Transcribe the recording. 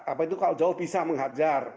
apa itu kalau jauh bisa menghajar